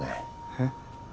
えっ？